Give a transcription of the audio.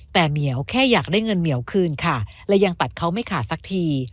แต่เหมียวแค่อยากได้เงินเหมียวคืนค่ะและยังตัดเขาไม่ขาดสักที